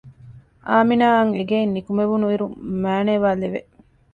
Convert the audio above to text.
އާމިނާއަށް އެގެއިން ނިކުމެވުނު އިރު މައިނޭވާ ލެވެ